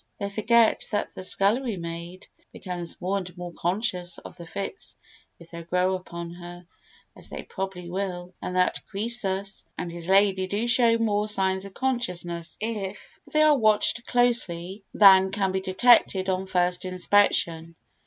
They forget that the scullery maid becomes more and more conscious of the fits if they grow upon her, as they probably will, and that Croesus and his lady do show more signs of consciousness, if they are watched closely, than can be detected on first inspection.